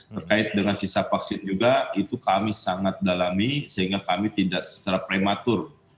terkait dengan sisa vaksin juga itu kami sangat dalami sehingga kami tidak secara prematur